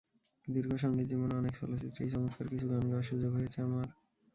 দীর্ঘ সংগীতজীবনে অনেক চলচ্চিত্রেই চমৎকার কিছু গান গাওয়ার সুযোগ হয়েছে আমার।